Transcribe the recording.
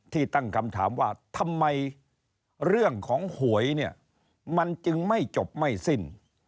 ตั้งคำถามว่าทำไมเรื่องของหวยเนี่ยมันจึงไม่จบไม่สิ้น